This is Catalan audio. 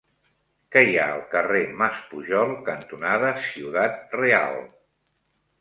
Què hi ha al carrer Mas Pujol cantonada Ciudad Real?